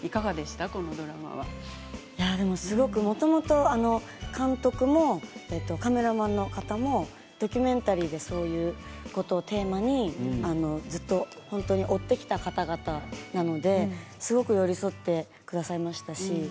すごくもともと監督もカメラマンの方もドキュメンタリーでそういうことを追ってきた方々なのですごく寄り添ってくださいました。